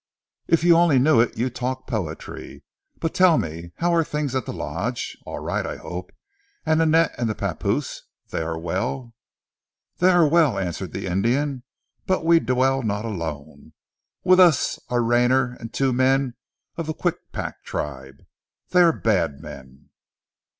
If you only knew it you talk poetry. But tell me, how are things at the Lodge? All right, I hope, and Nanette and the papoose, they are well?" "They are well," answered the Indian. "But we dwell not alone. With us are Rayner and two men of the Kwikpak tribe. They are bad men."